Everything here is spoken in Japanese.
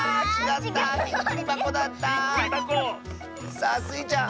さあスイちゃん。